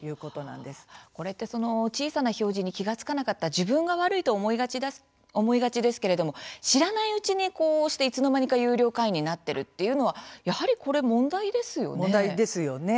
これって小さな表示に気がつかなかった自分が悪いと思いがちですけれども知らないうちにこうしていつの間にか有料会員になっているというのはやはりこれ、問題ですよね。